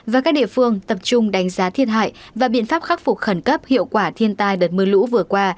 và các địa phương tập trung đánh giá thiệt hại và biện pháp khắc phục khẩn cấp hiệu quả thiên tai đợt mưa lũ vừa qua